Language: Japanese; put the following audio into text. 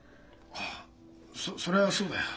ああそりゃそうだよ。